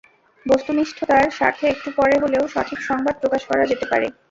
বস্তুনিষ্ঠতার স্বার্থে একটু পরে হলেও সঠিক সংবাদ প্রকাশ করা যেতে পারে।